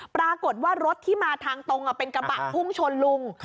ปรากฏว่ารถที่มาทางตรงเป็นกระบะพุ่งชนลุง